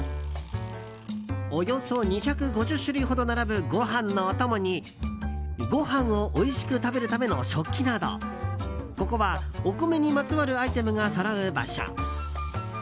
およそ２５０種類ほど並ぶご飯のお供にご飯をおいしく食べるための食器などここはお米にまつわるアイテムがそろう場所。